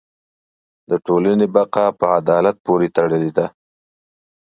د ټولنې بقاء په عدالت پورې تړلې ده.